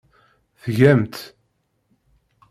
Tgam-tt.